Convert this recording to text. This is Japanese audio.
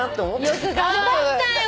よく頑張ったよ。